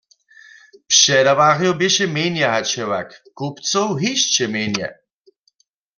Předawarjow běše mjenje hač hewak, kupcow hišće mjenje.